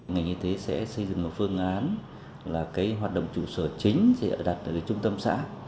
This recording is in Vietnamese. ngành y tế sẽ xây dựng một phương án là hoạt động chủ sở chính sẽ đặt ở trung tâm xã